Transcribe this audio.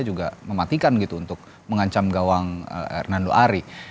juga mematikan gitu untuk mengancam gawang hernando ari